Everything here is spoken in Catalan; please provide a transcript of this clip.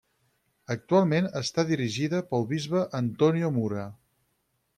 Actualment està dirigida pel bisbe Antonio Mura.